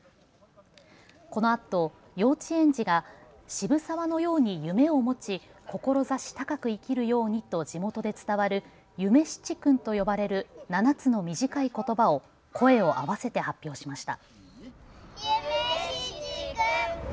このあと幼稚園児が渋沢のように夢を持ち志高く生きるようにと地元で伝わる夢七訓と呼ばれる７つの短いことばを声を合わせて発表しました。